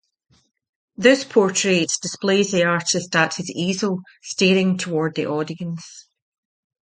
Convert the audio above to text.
This portrait displays the artist at his easel staring toward the audience.